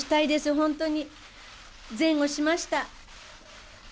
本当に、前後しました。